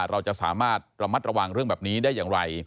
เราจะสามารถระมัดระวังเรื่องแบบนี้ได้อย่างไร